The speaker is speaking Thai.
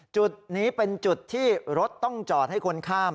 จุดนี้เป็นจุดที่รถต้องจอดให้คนข้าม